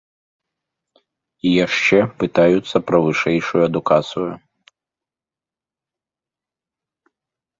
І яшчэ пытаюцца пра вышэйшую адукацыю!